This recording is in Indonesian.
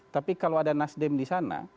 tapi kalau ada nasdem disana